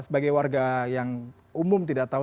sebagai warga yang umum tidak tahu